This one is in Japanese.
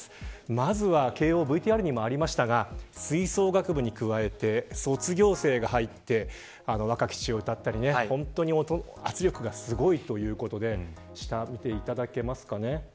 まずは慶応ＶＴＲにもありましたが吹奏楽部に加えて卒業生が入って若き血を歌ったり本当に圧力がすごいということで下を見ていただけますか。